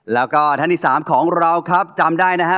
แล้วก็ท่านที่๓ของเราครับจำได้นะฮะ